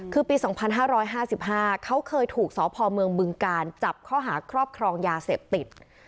คือปี๒๕๕๕เขาเคยถูกสพเมืองบึงการจับข้อหาครอบครองยาเสพติด